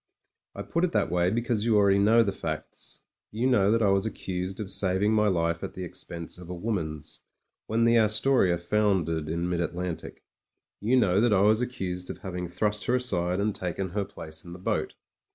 I put it that way, because you already know the facts. You know that I was accused of saving my life at the expense of a woman's when the Astoria foundered in mid Atlantic ; you know that I was accused of having thrust her aside and taken her place in the boat.